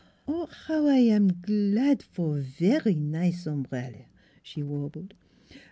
" How I am g lad for very nize ombrell," she warbled.